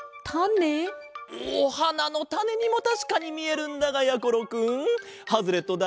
おはなのタネにもたしかにみえるんだがやころくんハズレットだ。